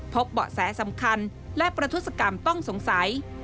เบาะแสสำคัญและประทุศกรรมต้องสงสัย